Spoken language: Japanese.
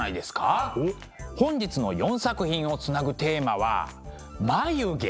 本日の４作品をつなぐテーマは「眉毛」。